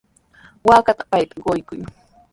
Waakata payta quykuu.